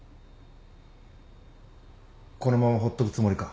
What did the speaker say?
このままほっとくつもりか？